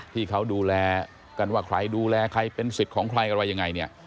ที่เขาดูแลกันว่าใครดูแลใครเป็นสิทธิ์ของใครอะไรยังไงเนี่ย